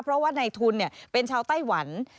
เพราะว่าในทุนเป็นชาวไต้หวัน